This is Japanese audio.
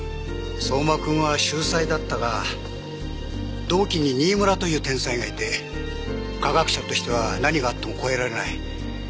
相馬君は秀才だったが同期に新村という天才がいて科学者としては何があっても超えられない。